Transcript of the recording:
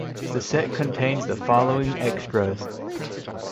The set contains the following extras.